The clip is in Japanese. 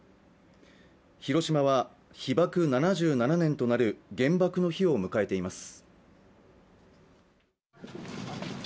広島は被爆７７年となる原爆の日を迎えています